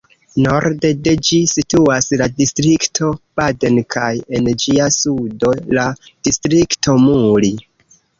Norde de ĝi situas la distrikto Baden kaj en ĝia sudo la distrikto Muri.